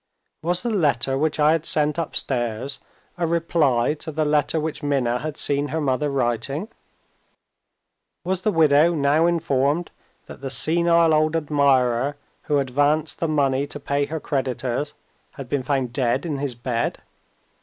Was the letter which I had sent upstairs a reply to the letter which Minna had seen her mother writing? Was the widow now informed that the senile old admirer who had advanced the money to pay her creditors had been found dead in his bed?